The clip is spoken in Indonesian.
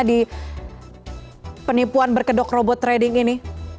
di penipuan berkedok robot trading ini